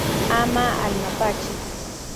Ama al mapache.